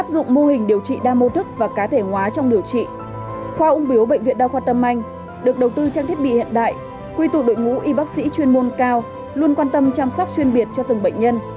được đầu tư trang thiết bị hiện đại quy tục đội ngũ y bác sĩ chuyên môn cao luôn quan tâm chăm sóc chuyên biệt cho từng bệnh nhân